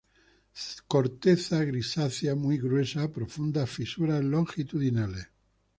Corteza grisácea, muy gruesa, profundas fisuras longitudinales.